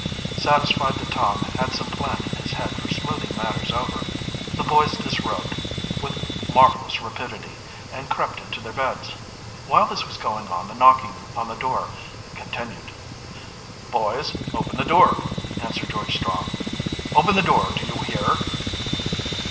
Satisfied that Tom had some plan in his head for smoothing matters over, the other boys disrobed with marvelous rapidity and crept into their beds. While this was going on the knocking an the door continued. "Boys, open the door!" said George Strong. "Open the door, do you hear?"